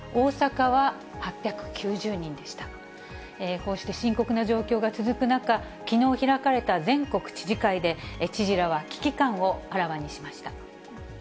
こうして深刻な状況が続く中、きのう開かれた全国知事会で、知事らは危機感をあらわにしました。